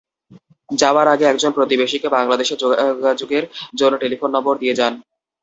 যাওয়ার আগে একজন প্রতিবেশীকে বাংলাদেশে যোগাযোগের জন্য টেলিফোন নম্বর দিয়ে যান।